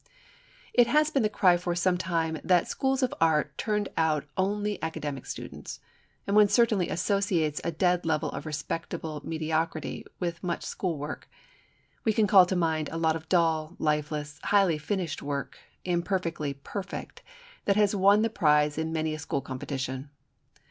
It has been the cry for some time that Schools of Art turned out only academic students. And one certainly associates a dead level of respectable mediocrity with much school work. We can call to mind a lot of dull, lifeless, highly finished work, imperfectly perfect, that has won the prize in many a school competition.